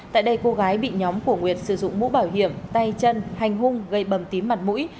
tại đây cô gái bị nhóm của nguyệt sử dụng mũ bảo hiểm tay chân hành hung gây bầm tím mặt mũi